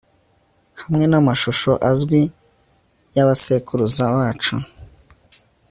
Hamwe namashusho azwi ya basekuruza bacu